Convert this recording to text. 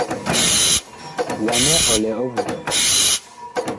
Wa nɛ ɔ lɛ ɔvuha.